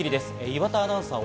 岩田アナウンサー